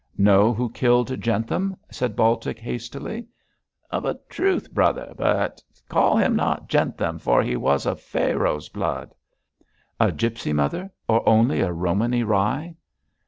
'Know who killed Jentham!' said Baltic, hastily. 'Of a truth, brother. But call him not Jentham, for he was of Pharaoh's blood.' 'A gipsy, mother, or only a Romany rye?'